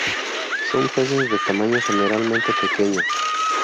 Son peces de tamaño generalmente pequeño.